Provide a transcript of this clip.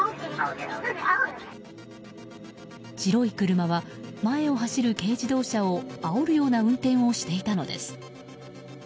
白い車は前を走る軽自動車をあおるような運転をしていたのです。